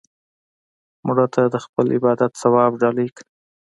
مړه ته د خپل عبادت ثواب ډالۍ کړه